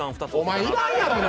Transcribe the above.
お前、いらんやろが！！